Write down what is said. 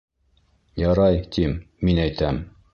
Ярай, тим, мин әйтәм.